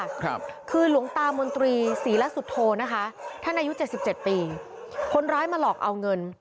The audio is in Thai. ครับคือหลวงตามนตรีศรีละสุโธนะคะท่านอายุเจ็ดสิบเจ็ดปีคนร้ายมาหลอกเอาเงิน